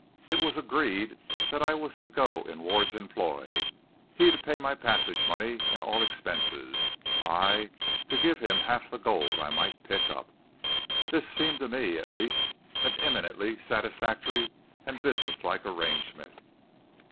It was agreed that I was to go in Ward's employ, he to pay my passage money and all expenses, I to give him half the gold I might pick up. This seemed to me, at least, an eminently satisfactory and businesslike arrangement.